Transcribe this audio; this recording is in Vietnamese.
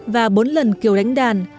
và bốn lần kiều đánh đàn